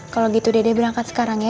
kalau gitu dede berangkat sekarang ya